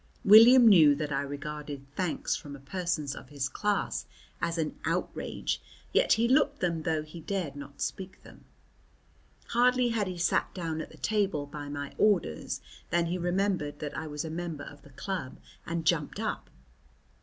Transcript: William knew that I regarded thanks from persons of his class as an outrage, yet he looked them though he dared not speak them. Hardly had he sat down at the table by my orders than he remembered that I was a member of the club and jumped up.